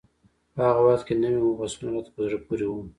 په هغه وخت کې نوي مبحثونه راته په زړه پورې وو.